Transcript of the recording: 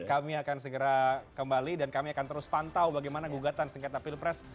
kami akan segera kembali dan kami akan terus pantau bagaimana gugatan sengketa pilpres